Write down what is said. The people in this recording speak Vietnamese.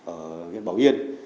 ở huyện bảo yên